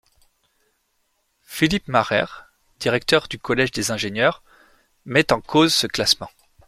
Philippe Mahrer, directeur du Collège des ingénieurs met en cause ce classement.